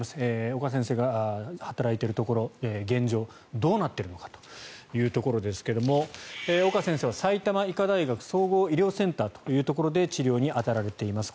岡先生が働いているところ現状、どうなっているのかというところですが岡先生は、埼玉医科大学総合医療センターというところで治療に当たられています。